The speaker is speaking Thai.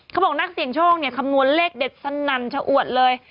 เขาบอกนักเสี่ยงโชคเนี่ยคำนวณเลขเด็ดสนั่นชะอวดเลย